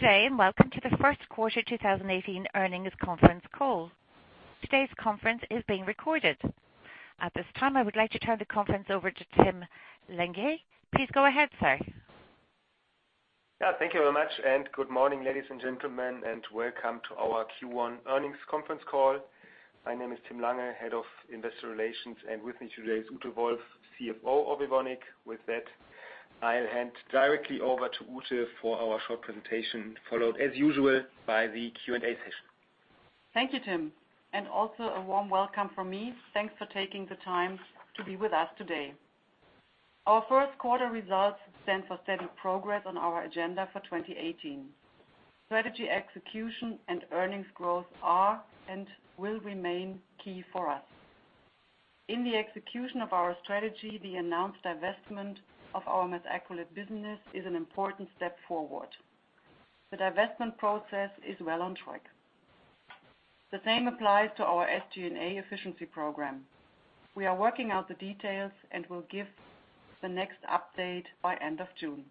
Good day, welcome to the first quarter 2018 earnings conference call. Today's conference is being recorded. At this time, I would like to turn the conference over to Tim Lange. Please go ahead, sir. Yeah, thank you very much, good morning, ladies and gentlemen, welcome to our Q1 earnings conference call. My name is Tim Lange, Head of Investor Relations, and with me today is Ute Wolf, CFO of Evonik. With that, I'll hand directly over to Ute for our short presentation, followed, as usual, by the Q&A session. Thank you, Tim, also a warm welcome from me. Thanks for taking the time to be with us today. Our first quarter results stand for steady progress on our agenda for 2018. Strategy execution and earnings growth are and will remain key for us. In the execution of our strategy, the announced divestment of our methacrylate business is an important step forward. The divestment process is well on track. The same applies to our SG&A efficiency program. We are working out the details and will give the next update by end of June.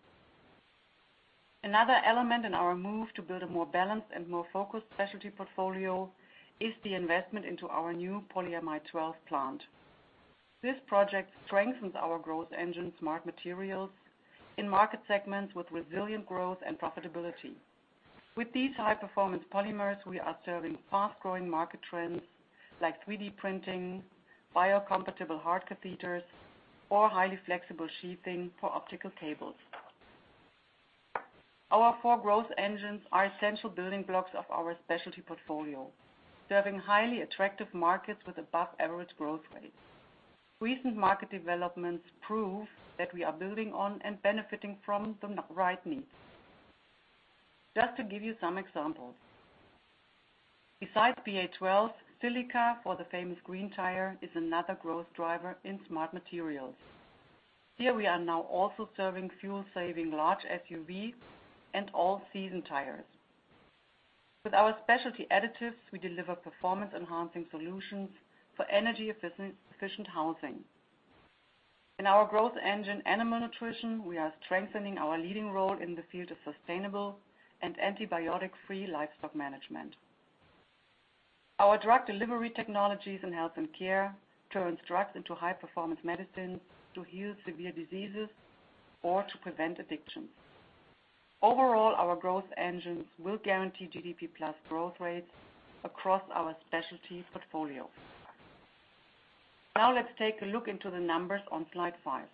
Another element in our move to build a more balanced and more focused specialty portfolio is the investment into our new polyamide 12 plant. This project strengthens our growth engine, Smart Materials, in market segments with resilient growth and profitability. With these high-performance polymers, we are serving fast-growing market trends like 3D printing, biocompatible heart catheters, or highly flexible sheathing for optical cables. Our four growth engines are essential building blocks of our specialty portfolio, serving highly attractive markets with above-average growth rates. Recent market developments prove that we are building on and benefiting from the right needs. Just to give you some examples. Besides PA 12, silica for the famous green tire is another growth driver in Smart Materials. Here we are now also serving fuel-saving large SUV and all-season tires. With our Specialty Additives, we deliver performance-enhancing solutions for energy efficient housing. In our growth engine Animal Nutrition, we are strengthening our leading role in the field of sustainable and antibiotic-free livestock management. Our drug delivery technologies in Health and Care turns drugs into high-performance medicines to heal severe diseases or to prevent addiction. Overall, our growth engines will guarantee GDP plus growth rates across our specialties portfolio. Let's take a look into the numbers on slide five.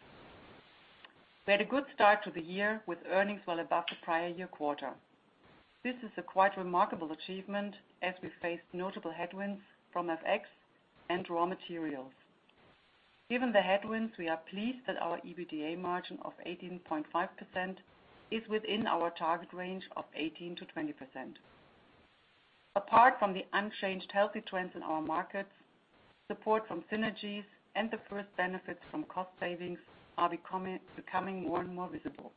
We had a good start to the year with earnings well above the prior year quarter. This is a quite remarkable achievement as we faced notable headwinds from FX and raw materials. Given the headwinds, we are pleased that our EBITDA margin of 18.5% is within our target range of 18%-20%. Apart from the unchanged healthy trends in our markets, support from synergies and the first benefits from cost savings are becoming more and visible.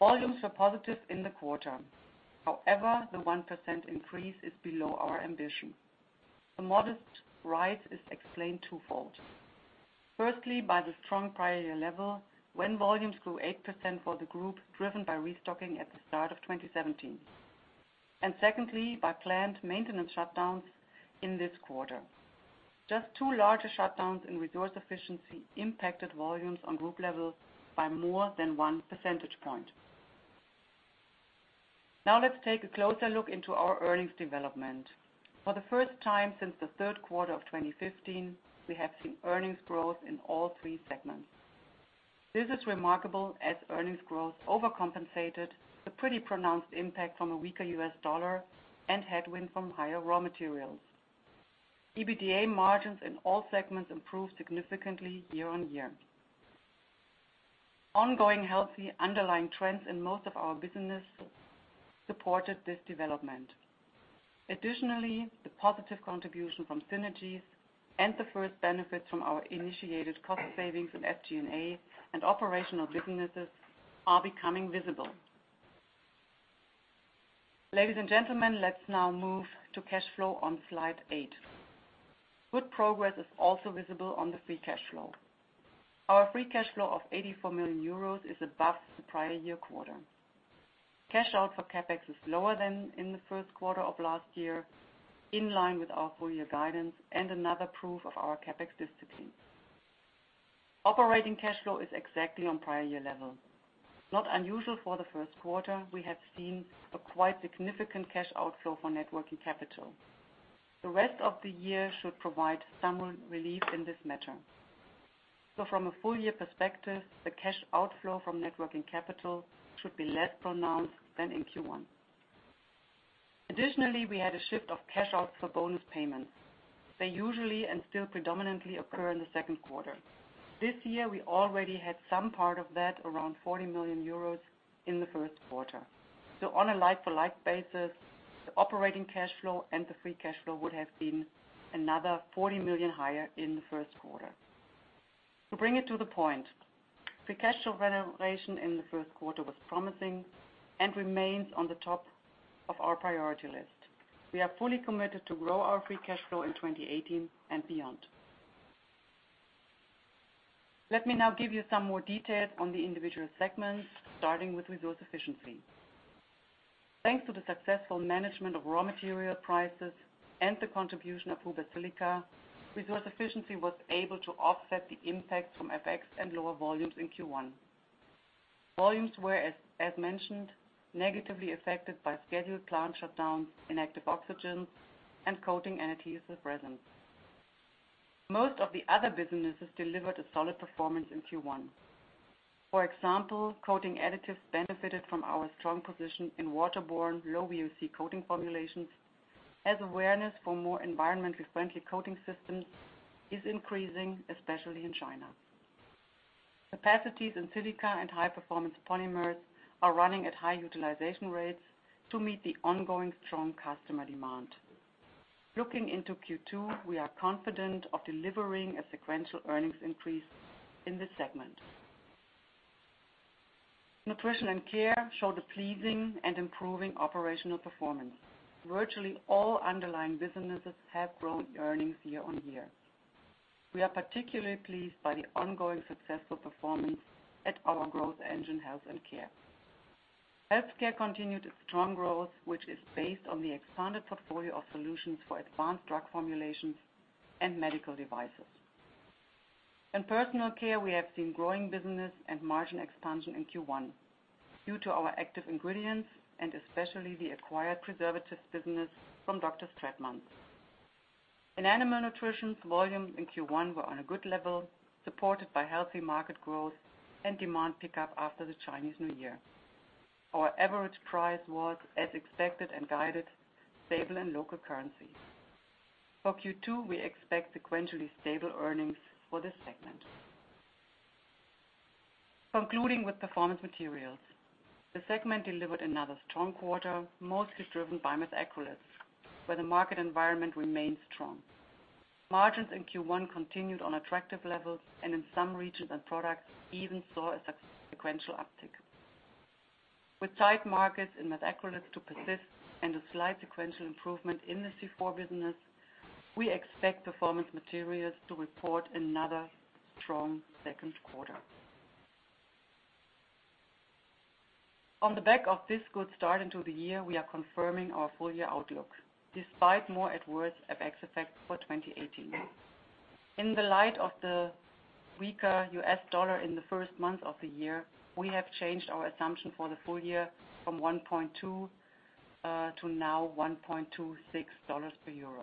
Volumes are positive in the quarter. The 1% increase is below our ambition. The modest rise is explained twofold. Firstly, by the strong prior year level, when volumes grew 8% for the group, driven by restocking at the start of 2017. Secondly, by planned maintenance shutdowns in Resource Efficiency impacted volumes on group levels by more than one percentage point. Let's take a closer look into our earnings development. For the first time since the third quarter of 2015, we have seen earnings growth in all three segments. This is remarkable, as earnings growth overcompensated the pretty pronounced impact from a weaker U.S. dollar and headwind from higher raw materials. EBITDA margins in all segments improved significantly year-on-year. Ongoing healthy underlying trends in most of our businesses supported this development. Additionally, the positive contribution from synergies and the first benefits from our initiated cost savings in SG&A and operational businesses are becoming visible. Ladies and gentlemen, let's now move to cash flow on slide eight. Good progress is also visible on the free cash flow. Our free cash flow of 84 million euros is above the prior year quarter. Cash out for CapEx is lower than in the first quarter of last year, in line with our full-year guidance and another proof of our CapEx discipline. Operating cash flow is exactly on prior year level. Not unusual for the first quarter, we have seen a quite significant cash outflow for net working capital. The rest of the year should provide some relief in this matter. From a full year perspective, the cash outflow from net working capital should be less pronounced than in Q1. Additionally, we had a shift of cash outs for bonus payments. They usually and still predominantly occur in the second quarter. This year, we already had some part of that, around 40 million euros, in the first quarter. On a like-for-like basis, the operating cash flow and the free cash flow would have been another 40 million higher in the first quarter. To bring it to the point, free cash flow generation in the first quarter was promising and remains on the top of our priority list. We are fully committed to grow our free cash flow in 2018 and beyond. Let me now give you some more details on the individual segments, starting with Resource Efficiency. Thanks to the successful management of raw material prices and the contribution of Huber Silica, Resource Efficiency was able to offset the impact from FX and lower volumes in Q1. Volumes were, as mentioned, negatively affected by scheduled plant shutdowns in Active Oxygens and Coating & Adhesive Resins. Most of the other businesses delivered a solid performance in Q1. For example, Coating Additives benefited from our strong position in waterborne low VOC coating formulations, as awareness for more environmentally friendly coating systems is increasing, especially in China. Capacities in Silica and High Performance Polymers are running at high utilization rates to meet the ongoing strong customer demand. Looking into Q2, we are confident of delivering a sequential earnings increase in this segment. Nutrition & Care showed a pleasing and improving operational performance. Virtually all underlying businesses have grown earnings year-on-year. We are particularly pleased by the ongoing successful performance at our growth engine, Health and Care. Healthcare continued its strong growth, which is based on the expanded portfolio of solutions for advanced drug formulations and medical devices. In Personal Care, we have seen growing business and margin expansion in Q1, due to our active ingredients and especially the acquired preservatives business from Dr. Straetmans. In Animal Nutrition, volumes in Q1 were on a good level, supported by healthy market growth and demand pickup after the Chinese New Year. Our average price was, as expected and guided, stable in local currency. For Q2, we expect sequentially stable earnings for this segment. Concluding with Performance Materials, the segment delivered another strong quarter, mostly driven by methacrylates, where the market environment remains strong. Margins in Q1 continued on attractive levels and in some regions and products even saw a sequential uptick. With tight markets in methacrylates to persist and a slight sequential improvement in the C4 business, we expect Performance Materials to report another strong second quarter. On the back of this good start into the year, we are confirming our full-year outlook, despite more adverse FX effects for 2018. In the light of the weaker U.S. dollar in the first months of the year, we have changed our assumption for the full year from $1.2 to now $1.26 per euro.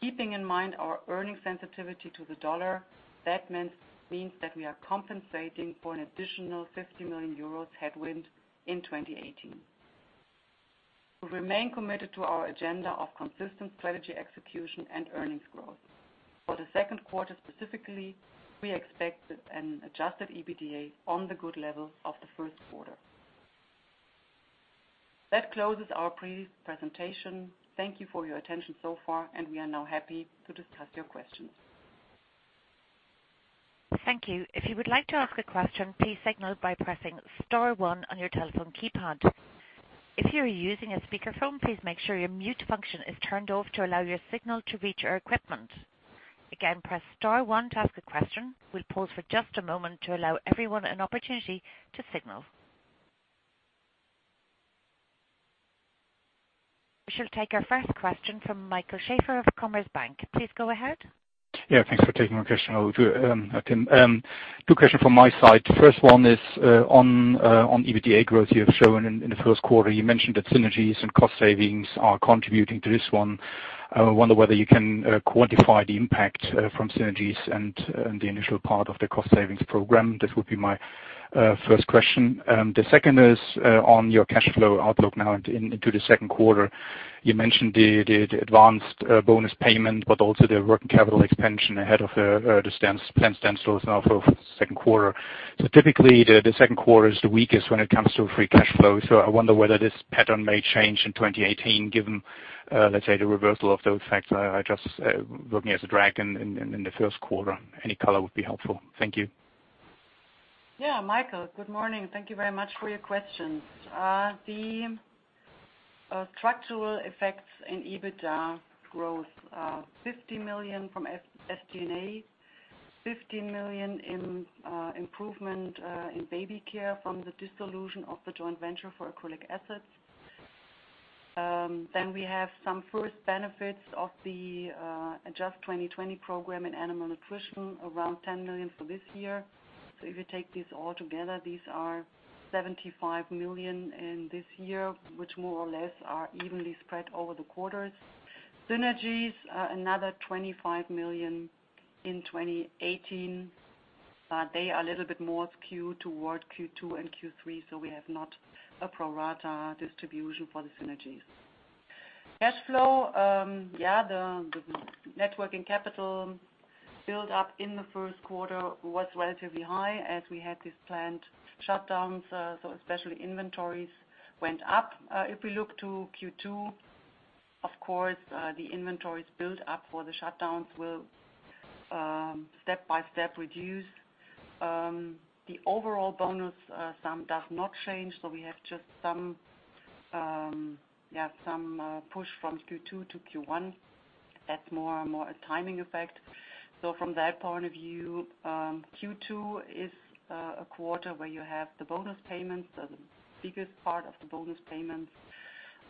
Keeping in mind our earnings sensitivity to the dollar, that means that we are compensating for an additional 50 million euros headwind in 2018. We remain committed to our agenda of consistent strategy execution and earnings growth. For the second quarter specifically, we expect an adjusted EBITDA on the good level of the first quarter. That closes our presentation. Thank you for your attention so far, and we are now happy to discuss your questions. Thank you. If you would like to ask a question, please signal by pressing star one on your telephone keypad. If you are using a speakerphone, please make sure your mute function is turned off to allow your signal to reach our equipment. Again, press star one to ask a question. We'll pause for just a moment to allow everyone an opportunity to signal. We shall take our first question from Michael Schäfer of Commerzbank. Please go ahead. Yeah, thanks for taking my question. Two question from my side. First one is on EBITDA growth you have shown in the first quarter. You mentioned that synergies and cost savings are contributing to this one. I wonder whether you can quantify the impact from synergies and the initial part of the cost savings program. That would be my first question. The second is on your cash flow outlook now into the second quarter. You mentioned the advanced bonus payment, but also the working capital expansion ahead of the planned standstills now for the second quarter. Typically, the second quarter is the weakest when it comes to free cash flow. I wonder whether this pattern may change in 2018 given, let's say, the reversal of those facts are just looking as a drag in the first quarter. Any color would be helpful. Thank you. Yeah, Michael, good morning. Thank you very much for your questions. The structural effects in EBITDA growth are 50 million from SG&A, 15 million in improvement in Baby Care from the dissolution of the joint venture for acrylic acids. We have some first benefits of the Adjust 2020 program in Animal Nutrition, around 10 million for this year. If you take these all together, these are 75 million in this year, which more or less are evenly spread over the quarters. Synergies are another 25 million in 2018. They are a little bit more skewed toward Q2 and Q3, we have not a pro rata distribution for the synergies. Cash flow, the networking capital build up in the first quarter was relatively high as we had these planned shutdowns, especially inventories went up. If we look to Q2, of course, the inventories built up for the shutdowns will step by step reduce. The overall bonus sum does not change, we have just some push from Q2 to Q1. That's more a timing effect. From that point of view, Q2 is a quarter where you have the bonus payments, the biggest part of the bonus payments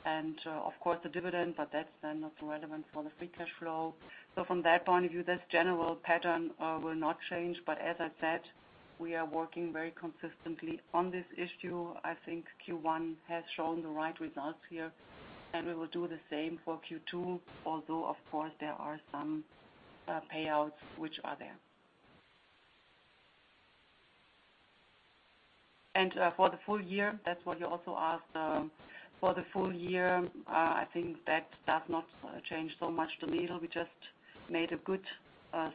and, of course, the dividend, but that's then not relevant for the free cash flow. From that point of view, this general pattern will not change. As I said, we are working very consistently on this issue. I think Q1 has shown the right results here, and we will do the same for Q2, although of course, there are some payouts which are there. For the full year, that's what you also asked. For the full year, I think that does not change so much the needle. We just made a good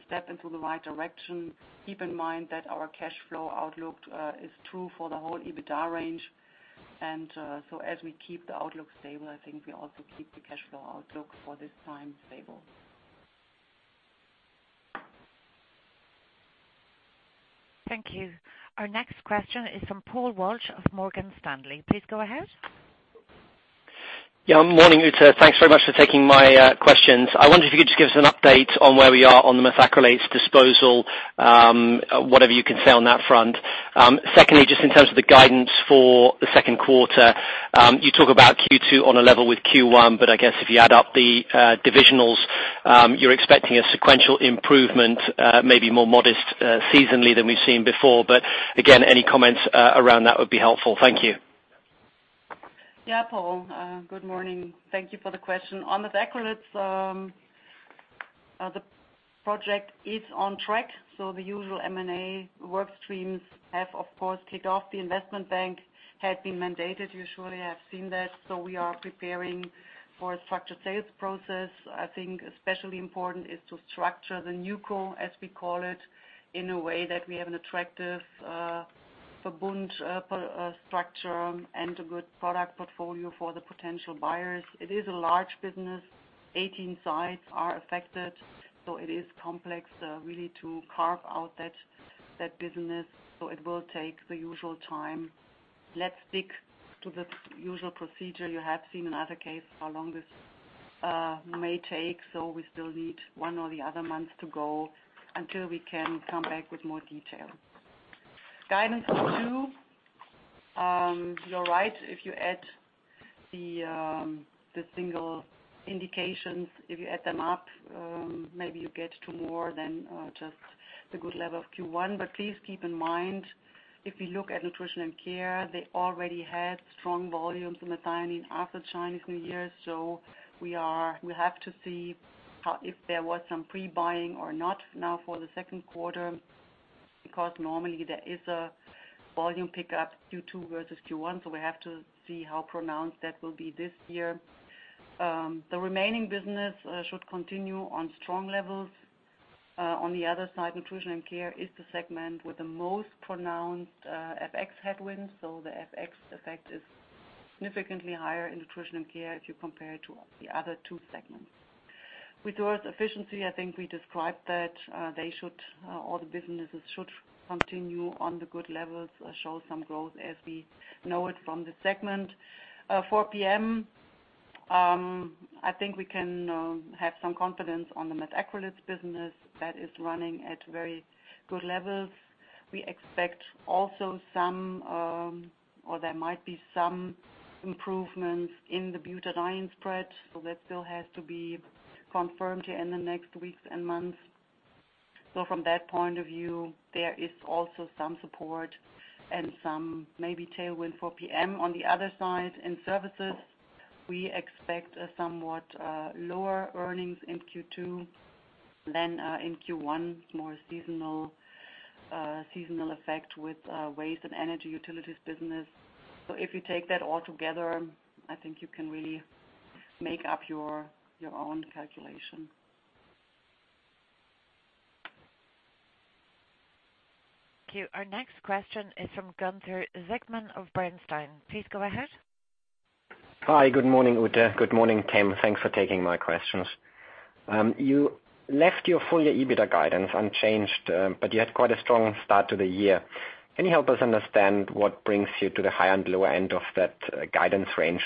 step into the right direction. Keep in mind that our cash flow outlook is true for the whole EBITDA range. As we keep the outlook stable, I think we also keep the cash flow outlook for this time stable. Thank you. Our next question is from Paul Walsh of Morgan Stanley. Please go ahead. Morning, Ute. Thanks very much for taking my questions. I wonder if you could just give us an update on where we are on the methacrylates disposal, whatever you can say on that front. Secondly, just in terms of the guidance for the second quarter, you talk about Q2 on a level with Q1, I guess if you add up the divisionals, you're expecting a sequential improvement maybe more modest seasonally than we've seen before. Again, any comments around that would be helpful. Thank you. Paul. Good morning. Thank you for the question. On methacrylates, the project is on track, the usual M&A work streams have, of course, kicked off. The investment bank has been mandated. You surely have seen that. We are preparing for a structured sales process. I think especially important is to structure the new co, as we call it, in a way that we have an attractive Verbund structure and a good product portfolio for the potential buyers. It is a large business. 18 sites are affected, it is complex really to carve out that business, it will take the usual time. Let's stick to the usual procedure you have seen in other cases, how long this may take. We still need one or the other month to go until we can come back with more detail. Guidance for 2. You're right. If you add the single indications, if you add them up, maybe you get to more than just the good level of Q1. Please keep in mind, if we look at Nutrition & Care, they already had strong volumes in methionine after Chinese New Year. We have to see if there was some pre-buying or not now for the second quarter, because normally there is a volume pickup Q2 versus Q1, we have to see how pronounced that will be this year. The remaining business should continue on strong levels. On the other side, Nutrition & Care is the segment with the most pronounced FX headwinds, the FX effect is significantly higher in Nutrition & Care if you compare it to the other two segments. With regards efficiency, I think we described that all the businesses should continue on the good levels, show some growth as we know it from the segment. For PM, I think we can have some confidence on the methacrylates business that is running at very good levels. We expect also some, or there might be some improvements in the butadiene spread, that still has to be confirmed here in the next weeks and months. From that point of view, there is also some support and some maybe tailwind for PM. On the other side, in services, we expect a somewhat lower earnings in Q2 than in Q1, more seasonal effect with waste and energy utilities business. If you take that all together, I think you can really make up your own calculation. Thank you. Our next question is from Gunther Zechmann of Bernstein. Please go ahead. Hi, good morning, Ute. Good morning, Tim. Thanks for taking my questions. You left your full year EBITDA guidance unchanged, but you had quite a strong start to the year. Can you help us understand what brings you to the high and lower end of that guidance range?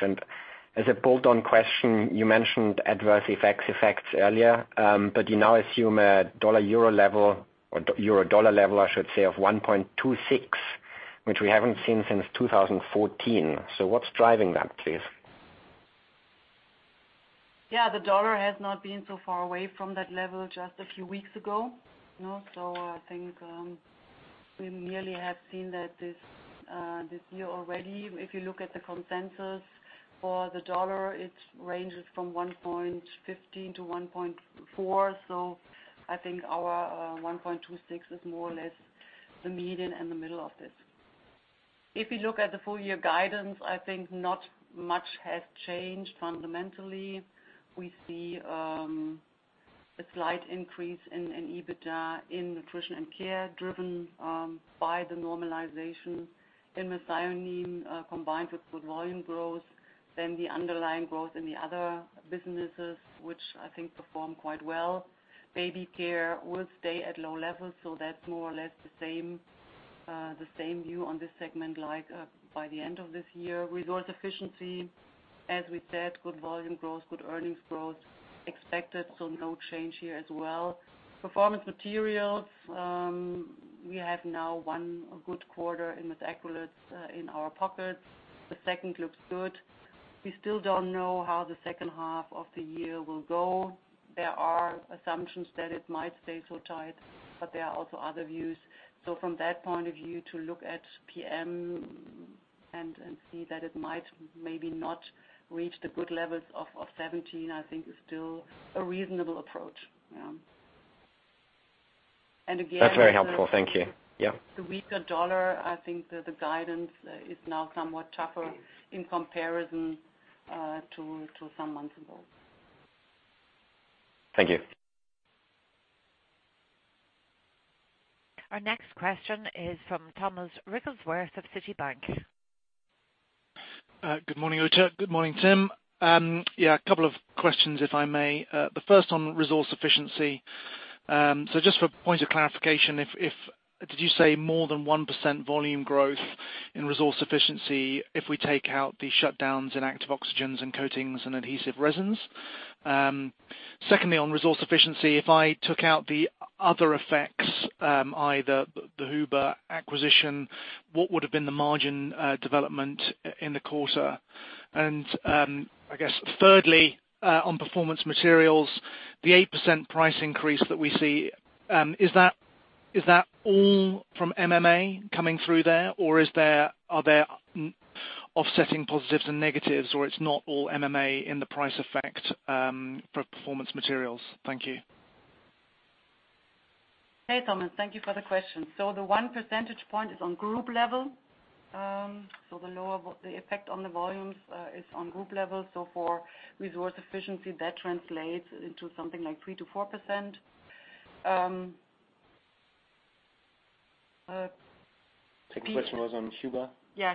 As a bolt-on question, you mentioned adverse FX effects earlier. You now assume a dollar-euro level, or euro-dollar level, I should say, of 1.26, which we haven't seen since 2014. What's driving that, please? Yeah, the dollar has not been so far away from that level just a few weeks ago. I think we merely have seen that this year already. If you look at the consensus for the dollar, it ranges from 1.15 to 1.4, I think our 1.26 is more or less the median and the middle of this. If we look at the full year guidance, I think not much has changed fundamentally. We see a slight increase in EBITDA in Nutrition & Care driven by the normalization in methionine combined with good volume growth, the underlying growth in the other businesses, which I think perform quite well. Baby Care will stay at low levels, that's more or less the same view on this segment, like by the end of this year. Resource Efficiency, as we said, good volume growth, good earnings growth expected, no change here as well. Performance Materials. We have now 1 good quarter in with acrylics in our pockets. The 2nd looks good. We still don't know how the second half of the year will go. There are assumptions that it might stay so tight, but there are also other views. From that point of view, to look at PM and see that it might maybe not reach the good levels of 2017, I think is still a reasonable approach. Yeah. That's very helpful. Thank you. Yeah. The weaker dollar, I think, the guidance is now somewhat tougher in comparison to some months ago. Thank you. Our next question is from Thomas Wrigglesworth of Citibank. Good morning, Ute. Good morning, Tim. A couple of questions, if I may. The first on Resource Efficiency. Just for point of clarification, did you say more than 1% volume growth in Resource Efficiency if we take out the shutdowns in Active Oxygens and Coating & Adhesive Resins? Secondly, on Resource Efficiency, if I took out the other effects, i.e., the Huber acquisition, what would've been the margin development in the quarter? Thirdly, on Performance Materials, the 8% price increase that we see, is that all from MMA coming through there? Or are there offsetting positives and negatives or it's not all MMA in the price effect for Performance Materials? Thank you. Hey, Thomas. Thank you for the question. The one percentage point is on group level. The effect on the volumes is on group level. For Resource Efficiency, that translates into something like 3%-4%. Second question was on Huber.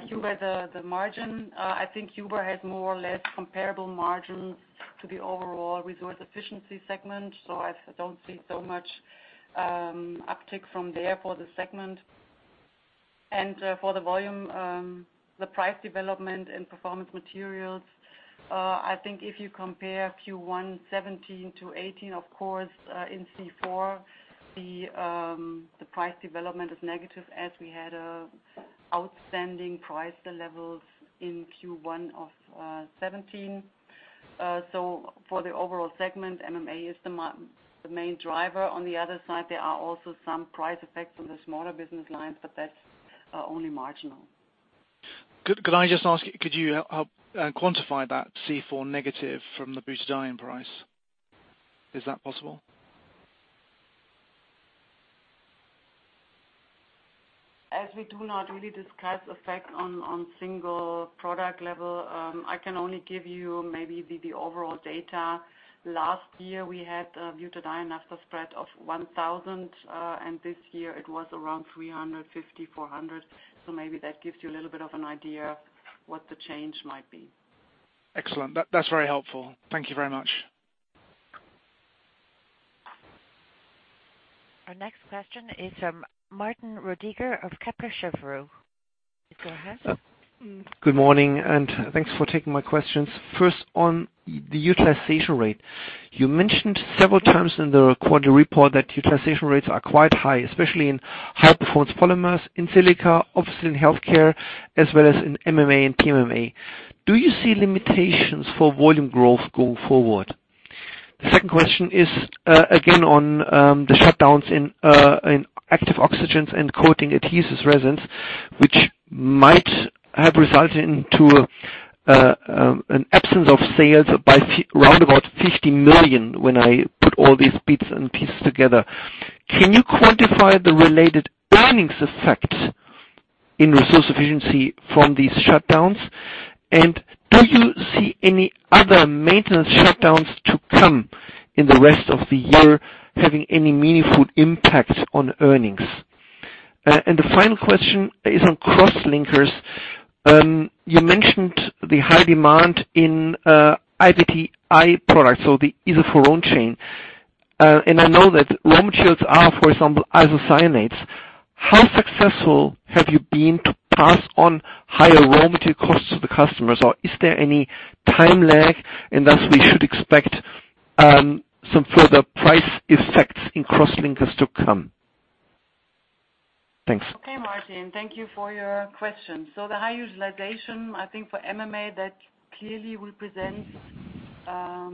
Huber, the margin. I think Huber has more or less comparable margin to the overall Resource Efficiency segment. I don't see so much uptick from there for the segment. For the volume, the price development and Performance Materials, I think if you compare Q1 2017 to 2018, of course, in C4, the price development is negative as we had outstanding price levels in Q1 of 2017. For the overall segment, MMA is the main driver. On the other side, there are also some price effects on the smaller business lines, but that's only marginal. Could I just ask, could you quantify that C4 negative from the butadiene price? Is that possible? As we do not really discuss effect on single product level, I can only give you maybe the overall data. Last year, we had a butadiene-to-acrylonitrile spread of 1,000, and this year it was around 350, 400. Maybe that gives you a little bit of an idea what the change might be. Excellent. That's very helpful. Thank you very much. Our next question is from Martin Roediger of Kepler Cheuvreux. Go ahead. Good morning. Thanks for taking my questions. First on the utilization rate. You mentioned several times in the quarter report that utilization rates are quite high, especially in High Performance Polymers, in silica, obviously in healthcare, as well as in MMA and PMMA. Do you see limitations for volume growth going forward? The second question is again on the shutdowns in Active Oxygens and Coating & Adhesive Resins, which might have resulted into an absence of sales by round about 50 million when I put all these bits and pieces together. Can you quantify the related earnings effect in Resource Efficiency from these shutdowns? Do you see any other maintenance shutdowns to come in the rest of the year having any meaningful impact on earnings? The final question is on crosslinkers. You mentioned the high demand in IPDI products, so the isophorone chain. I know that raw materials are, for example, isocyanates. How successful have you been to pass on higher raw material costs to the customers, or is there any time lag, and thus we should expect some further price effects in crosslinkers to come? Thanks. Okay, Martin, thank you for your questions. The high utilization, I think for MMA, that clearly represents a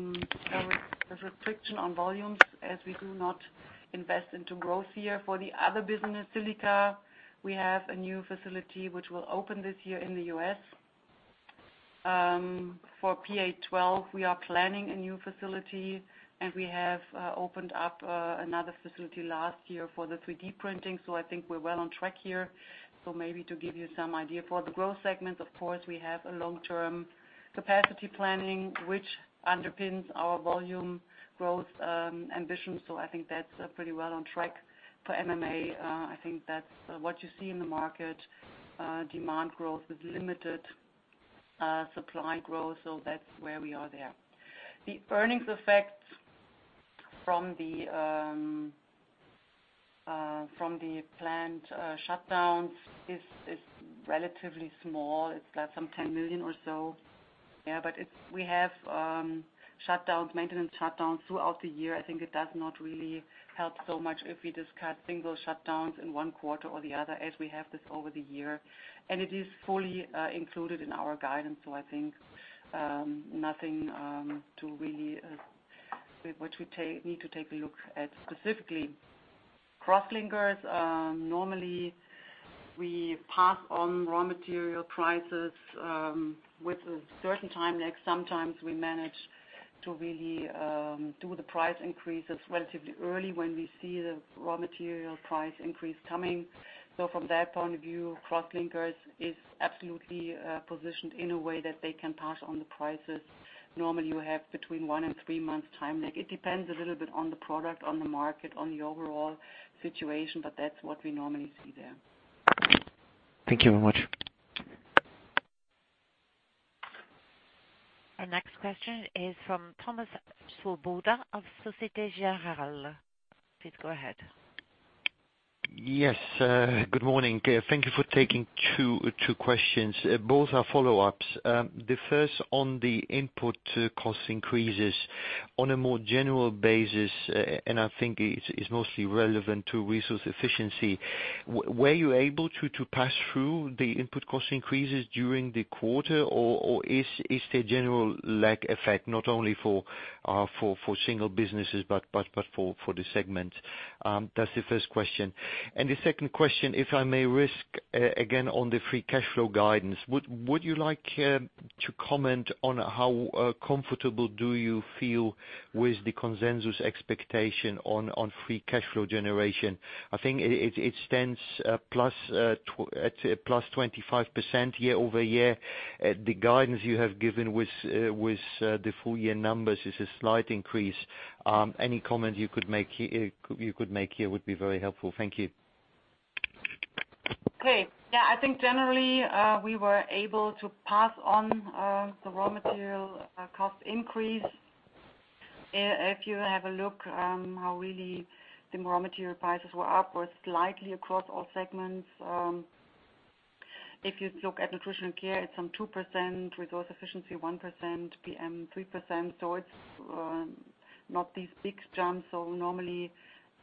restriction on volumes as we do not invest into growth here. For the other business, silica, we have a new facility which will open this year in the U.S. For PA 12, we are planning a new facility, and we have opened up another facility last year for the 3D printing. I think we're well on track here. Maybe to give you some idea for the growth segments, of course, we have a long-term capacity planning, which underpins our volume growth ambition. I think that's pretty well on track. For MMA, I think that's what you see in the market. Demand growth with limited supply growth, that's where we are there. The earnings effect from the planned shutdowns, it's relatively small. It's like some 10 million or so. We have maintenance shutdowns throughout the year. I think it does not really help so much if we discuss single shutdowns in one quarter or the other, as we have this over the year. It is fully included in our guidance. I think nothing really which we need to take a look at specifically. Crosslinkers, normally we pass on raw material prices with a certain time lag. Sometimes we manage to really do the price increases relatively early when we see the raw material price increase coming. From that point of view, Crosslinkers is absolutely positioned in a way that they can pass on the prices. Normally, you have between one and three months time lag. It depends a little bit on the product, on the market, on the overall situation, but that's what we normally see there. Thank you very much. Our next question is from Thomas Svoboda of Societe Generale. Please go ahead. Yes. Good morning. Thank you for taking two questions. Both are follow-ups. The first on the input cost increases on a more general basis, I think it's mostly relevant to Resource Efficiency. Were you able to pass through the input cost increases during the quarter, or is there a general lag effect not only for single businesses but for the segment? That's the first question. The second question, if I may risk, again, on the free cash flow guidance, would you like to comment on how comfortable do you feel with the consensus expectation on free cash flow generation? I think it stands at +25% year-over-year. The guidance you have given with the full-year numbers is a slight increase. Any comment you could make here would be very helpful. Thank you. Great. I think generally, we were able to pass on the raw material cost increase. If you have a look how really the raw material prices were upwards slightly across all segments. If you look at Nutrition & Care, it is some 2%, Resource Efficiency 1%, PM 3%. It is not these big jumps, so normally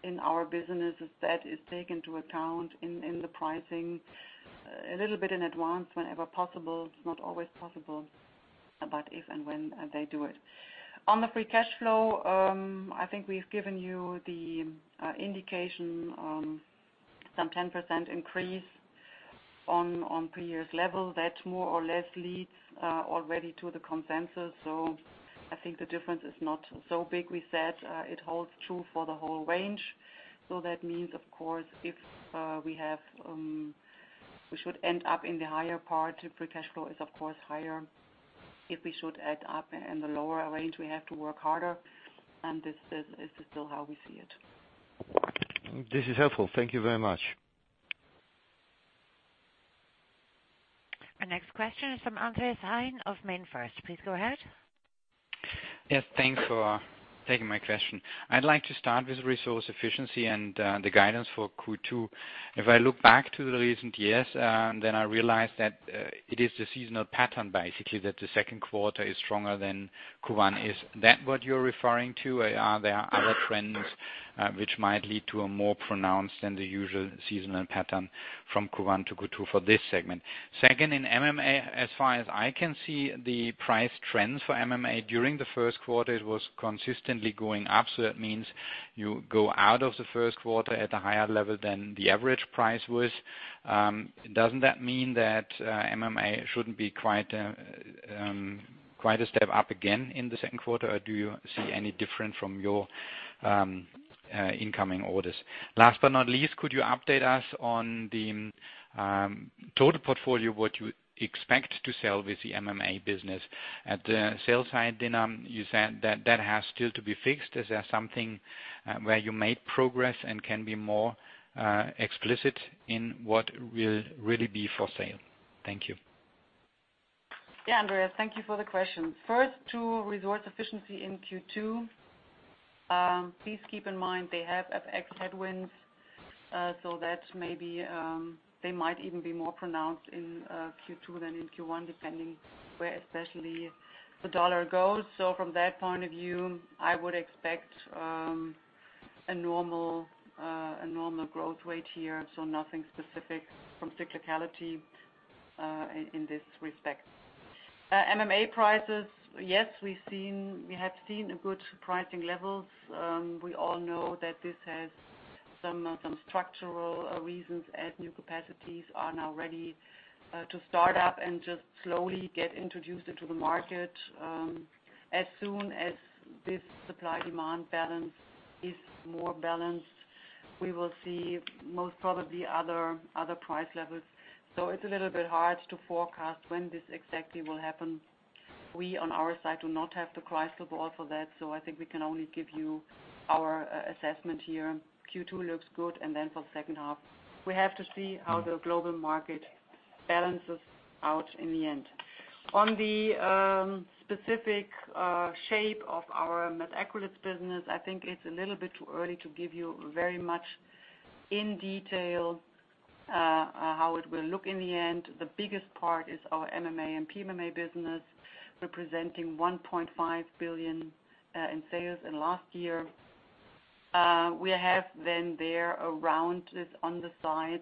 in our business, that is taken into account in the pricing a little bit in advance whenever possible. It is not always possible, but if and when they do it. On the free cash flow, I think we have given you the indication on some 10% increase on previous level. That more or less leads already to the consensus, so I think the difference is not so big. We said it holds true for the whole range. That means, of course, if we should end up in the higher part, free cash flow is of course higher. If we should add up in the lower range, we have to work harder. This is still how we see it. This is helpful. Thank you very much. Our next question is from Andreas Heine of MainFirst. Please go ahead. Yes, thanks for taking my question. I'd like to start with Resource Efficiency and the guidance for Q2. If I look back to the recent years, I realize that it is the seasonal pattern, basically, that the second quarter is stronger than Q1. Is that what you're referring to, or are there other trends which might lead to a more pronounced than the usual seasonal pattern from Q1 to Q2 for this segment? Second, in MMA, as far as I can see, the price trends for MMA during the first quarter, it was consistently going up. That means you go out of the first quarter at a higher level than the average price was. Doesn't that mean that MMA shouldn't be quite a step up again in the second quarter, or do you see any different from your incoming orders? Last but not least, could you update us on the total portfolio, what you expect to sell with the MMA business at the sales side? You said that that has still to be fixed. Is there something where you made progress and can be more explicit in what will really be for sale? Thank you. Andreas. Thank you for the question. First, to Resource Efficiency in Q2, please keep in mind they have FX headwinds, that maybe they might even be more pronounced in Q2 than in Q1, depending where especially the dollar goes. From that point of view, I would expect a normal growth rate here. Nothing specific from cyclicality in this respect. MMA prices, yes, we have seen good pricing levels. We all know that this has some structural reasons as new capacities are now ready to start up and just slowly get introduced into the market. As soon as this supply-demand balance is more balanced, we will see most probably other price levels. It's a little bit hard to forecast when this exactly will happen. We, on our side, do not have the crystal ball for that. I think we can only give you our assessment here. Q2 looks good, and for the second half, we have to see how the global market balances out in the end. On the specific shape of our methacrylates business, I think it's a little bit too early to give you very much in detail, how it will look in the end. The biggest part is our MMA and PMMA business, representing 1.5 billion in sales in last year. We have there around this, on the side,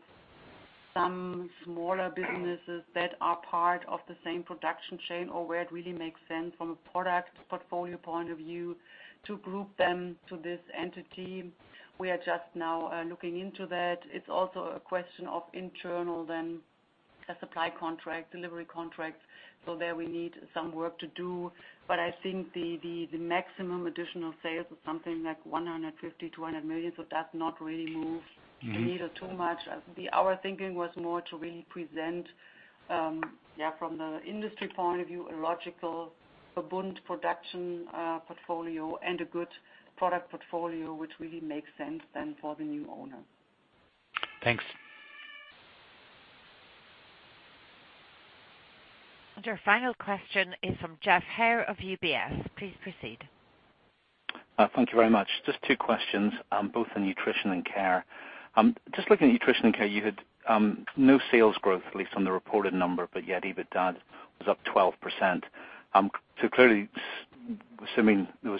some smaller businesses that are part of the same production chain, or where it really makes sense from a product portfolio point of view to group them to this entity. We are just now looking into that. It's also a question of internal, a supply contract, delivery contract. There we need some work to do, but I think the maximum additional sales is something like 150 million, 200 million. It does not really move the needle too much. Our thinking was more to really present, from the industry point of view, a logical production portfolio and a good product portfolio, which really makes sense then for the new owner. Thanks. Our final question is from Geoff Haire of UBS. Please proceed. Thank you very much. Two questions, both in Nutrition & Care. Looking at Nutrition & Care, you had no sales growth, at least on the reported number, but yet EBITDA was up 12%. Clearly, assuming there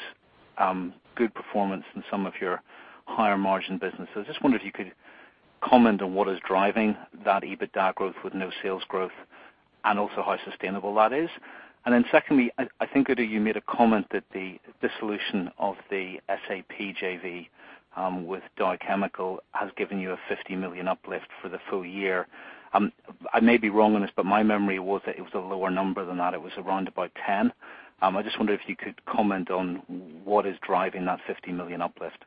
was good performance in some of your higher margin businesses, just wonder if you could comment on what is driving that EBITDA growth with no sales growth and also how sustainable that is. Then secondly, I think, Ute, you made a comment that the dissolution of the SAP JV with Daicel has given you a 50 million uplift for the full year. I may be wrong on this, but my memory was that it was a lower number than that. It was around about 10. I just wonder if you could comment on what is driving that 50 million uplift.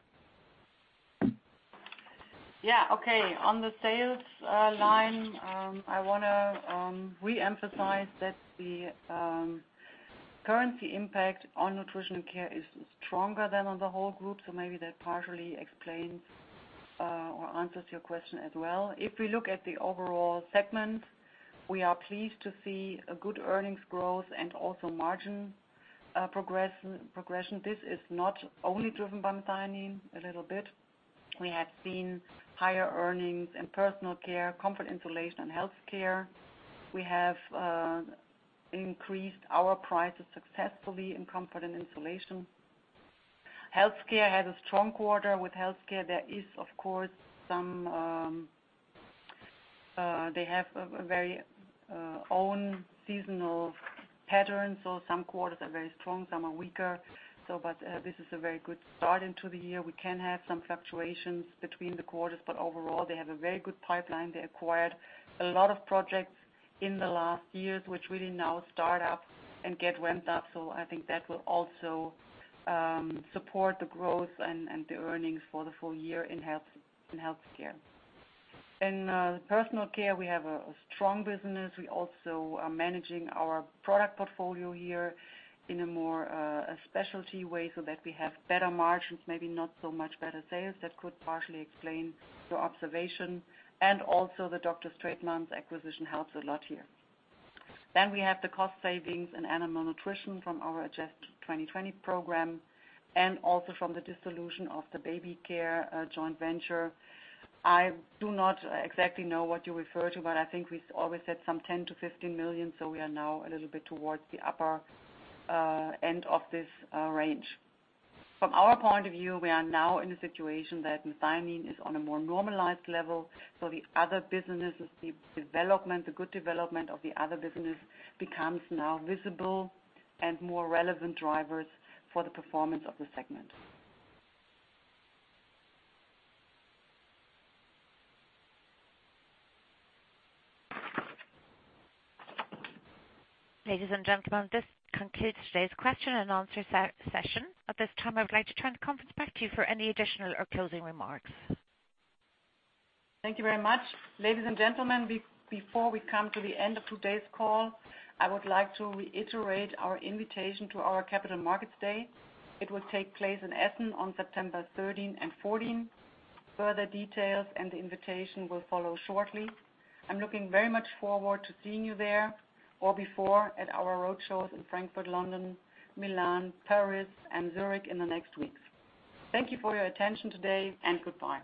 Yeah. Okay. On the sales line, I want to reemphasize that the currency impact on Nutrition & Care is stronger than on the whole group. Maybe that partially explains or answers your question as well. If we look at the overall segment, we are pleased to see a good earnings growth and also margin progression. This is not only driven by methionine, a little bit. We have seen higher earnings in personal care, Comfort & Insulation, and healthcare. We have increased our prices successfully in Comfort & Insulation. Healthcare had a strong quarter. With healthcare, they have a very own seasonal pattern. Some quarters are very strong, some are weaker. This is a very good start into the year. We can have some fluctuations between the quarters, but overall, they have a very good pipeline. They acquired a lot of projects in the last years, which really now start up and get ramped up. I think that will also support the growth and the earnings for the full year in healthcare. In personal care, we have a strong business. We also are managing our product portfolio here in a more specialty way so that we have better margins, maybe not so much better sales. That could partially explain your observation. Also the Dr. Straetmans acquisition helps a lot here. We have the cost savings in Animal Nutrition from our Adjust 2020 program and also from the dissolution of the Baby Care joint venture. I do not exactly know what you refer to, but I think we always said some 10 million to 15 million. We are now a little bit towards the upper end of this range. From our point of view, we are now in a situation that methionine is on a more normalized level. The good development of the other business becomes now visible and more relevant drivers for the performance of the segment. Ladies and gentlemen, this concludes today's question and answer session. At this time, I would like to turn the conference back to you for any additional or closing remarks. Thank you very much. Ladies and gentlemen, before we come to the end of today's call, I would like to reiterate our invitation to our Capital Markets Day. It will take place in Essen on September 13 and 14. Further details and the invitation will follow shortly. I'm looking very much forward to seeing you there or before at our road shows in Frankfurt, London, Milan, Paris and Zurich in the next weeks. Thank you for your attention today, and goodbye.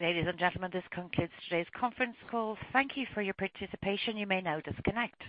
Ladies and gentlemen, this concludes today's conference call. Thank you for your participation. You may now disconnect.